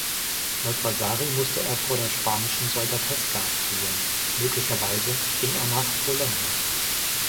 Laut Vasari musste er vor der spanischen Soldateska fliehen, möglicherweise ging er nach Bologna.